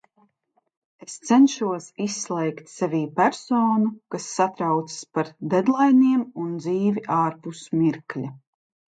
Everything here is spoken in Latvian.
Es cenšos izslēgt sevī personu, kas satraucas par deadlainiem un dzīvi ārpus mirkļa.